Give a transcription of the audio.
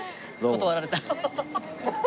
断られた。